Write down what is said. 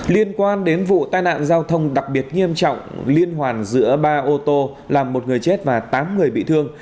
liên quan đến vụ tai nạn giao thông đặc biệt nghiêm trọng liên hoàn giữa ba ô tô làm một người chết và tám người bị thương